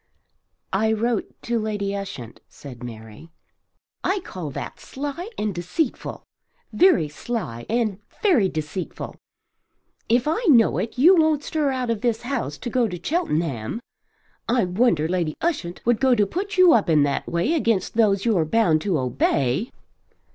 "I wrote to Lady Ushant," said Mary. "I call that sly and deceitful; very sly and very deceitful. If I know it you won't stir out of this house to go to Cheltenham. I wonder Lady Ushant would go to put you up in that way against those you're bound to obey."